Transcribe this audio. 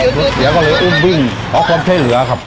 เดี๋ยวก็เลยอุ้มบึงเพราะความเท่หรือครับ